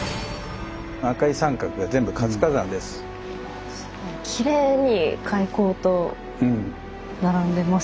赤い三角が全部活火山です。